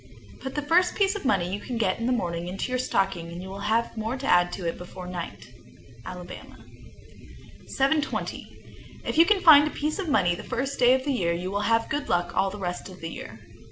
Put the first piece of money you get in the morning into your stocking, and you will have more to add to it before night. Alabama. 720. If you find a piece of money the first day of the year, you will have good luck all the rest of the year.